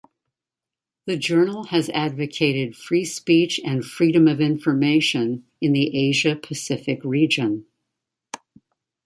The journal has advocated free speech and freedom of information in the Asia-Pacific region.